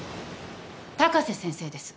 高瀬先生です。